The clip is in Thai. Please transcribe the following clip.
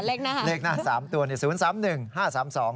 เลขหน้าก่อนเลขหน้าเลขหน้าสามตัวนี้ศูนย์สามหนึ่งห้าสามสอง